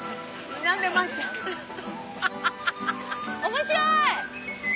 面白い！